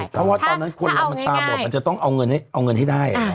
เพราะว่าตอนนั้นคนเรามันตาบอดมันจะต้องเอาเงินให้ได้